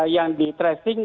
lima belas yang di tracing